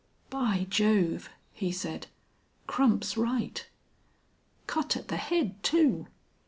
"By Jove!" he said. "Crump's right." "Cut at the head, too!"